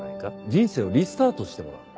人生をリスタートしてもらう。